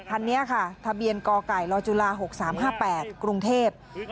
คันนี้ค่ะทะเบียนกไก่ลจุฬา๖๓๕๘กรุงเทพฯ